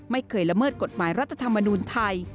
ไม่เคยละเมิดกฎหมายรัฐธรรมนูลไทย